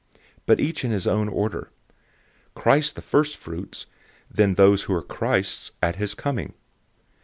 015:023 But each in his own order: Christ the first fruits, then those who are Christ's, at his coming.